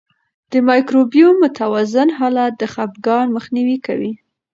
د مایکروبیوم متوازن حالت د خپګان مخنیوی کوي.